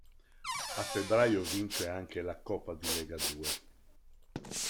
A febbraio vince anche la Coppa di Legadue.